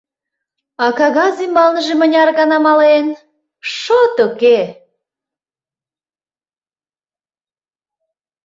А кагаз ӱмбалныже мыняр гана мален — шот уке!